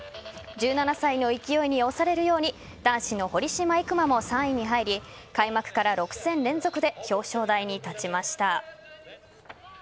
１７歳の勢いに押されるように男子の堀島行真も３位に入り開幕から６戦連続で表彰台に立ちました。